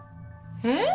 えっ？